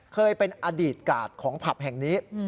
เคยเป็นอดีตกาดของผับแห่งนี้